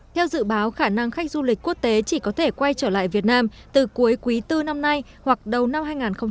theo dự báo khả năng khách du lịch quốc tế chỉ có thể quay trở lại việt nam từ cuối quý bốn năm nay hoặc đầu năm hai nghìn hai mươi